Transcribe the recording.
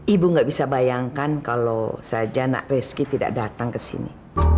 ibu gak bisa bayangkan kalau saja anak rezeki tidak datang ke sini